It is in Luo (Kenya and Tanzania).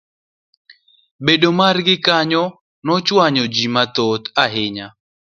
Bedo margi kanyo nochwayo jo mathoth ahinya.